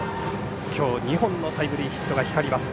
今日、２本のタイムリーヒットが光ります。